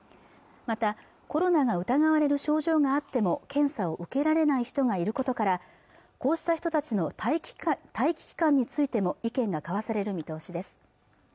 またコロナが疑われる症状があっても検査を受けられない人がいることからこうした人たちの待機期間についても意見が交わされる見通しです